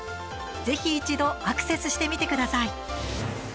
ぜひ一度アクセスしてみてください。